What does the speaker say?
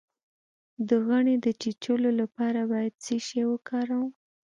د غڼې د چیچلو لپاره باید څه شی وکاروم؟